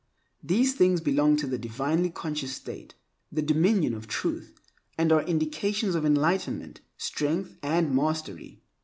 These things belong to the divinely conscious state, the dominion of Truth, and are indications of enlightenment, strength, and mastery.